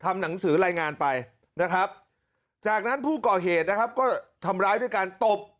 หนังสือรายงานไปนะครับจากนั้นผู้ก่อเหตุนะครับก็ทำร้ายด้วยการตบ